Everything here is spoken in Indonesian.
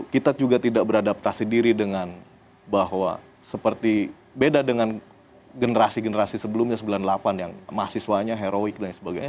kita juga tidak beradaptasi diri dengan bahwa seperti beda dengan generasi generasi sebelumnya sembilan puluh delapan yang mahasiswanya heroik dan sebagainya